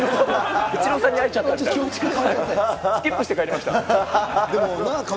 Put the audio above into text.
イチローさんに会えちゃったみたいな。